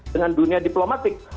dengan dunia diplomatik